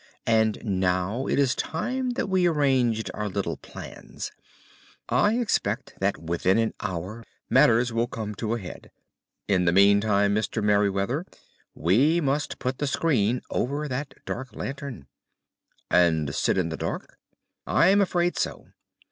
"And now it is time that we arranged our little plans. I expect that within an hour matters will come to a head. In the meantime Mr. Merryweather, we must put the screen over that dark lantern." "And sit in the dark?" "I am afraid so.